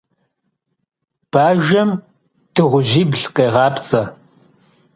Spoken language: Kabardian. Bajjem dığujibl khêğapts'e.